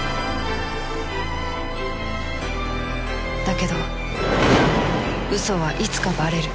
だけど嘘はいつかバレる